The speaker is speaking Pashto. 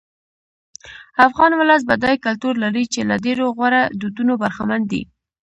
افغان ولس بډای کلتور لري چې له ډېرو غوره دودونو برخمن دی.